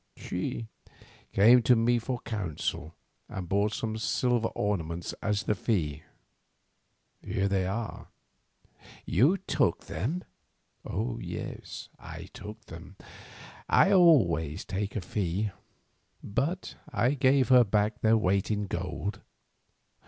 She came to me for counsel and brought some silver ornaments as the fee. Here they are." "You took them!" "Yes, I took them—I always take a fee, but I gave her back their weight in gold.